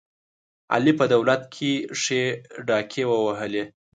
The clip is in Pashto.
علي په دولت کې ښې ډاکې ووهلې.